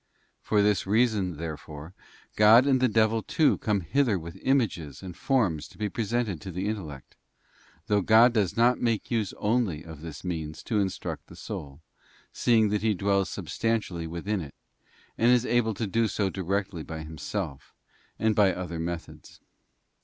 For this reason, therefore, God and the devil too come hither with images and forms to be presented to the intellect; though God does not make use only of this means to instruct the soul, seeing that He dwells substantially within it, and is able to do so directly by Himself, and by other methods.